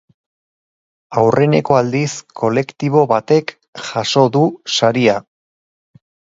Aurreneko aldiz kolektibo batek jaso du saria.